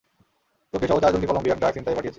তোকে সহ চারজনকে কলম্বিয়ার ড্রাগ ছিনতাইয়ে পাঠিয়েছি।